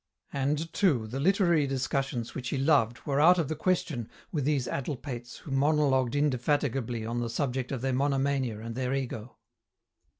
And, too, the literary discussions which he loved were out of the question with these addlepates who monologued indefatigably on the subject of their monomania and their ego.